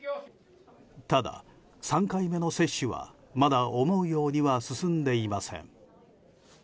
ただ３回目の接種はまだ思うようには進んでいません。